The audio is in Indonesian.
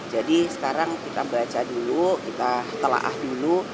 jadi sekarang kita baca dulu kita telaah dulu